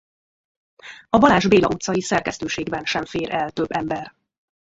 A Balázs Béla utcai szerkesztőségben sem fér el több ember.